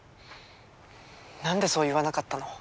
何でそう言わなかったの。